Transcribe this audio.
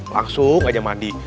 langsung aja mandi